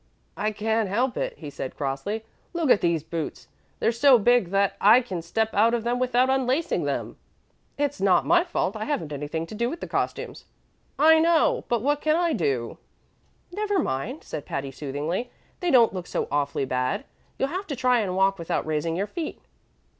"I can't help it," he said crossly. "Look at these boots. They're so big that I can step out of them without unlacing them." "It's not my fault. I haven't anything to do with the costumes." "I know it; but what can I do?" "Never mind," said Patty, soothingly; "they don't look so awfully bad. You'll have to try and walk without raising your feet."